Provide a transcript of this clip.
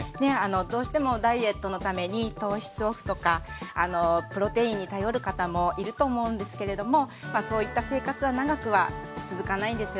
どうしてもダイエットのために糖質オフとかプロテインに頼る方もいると思うんですけれどもそういった生活は長くは続かないんですよね。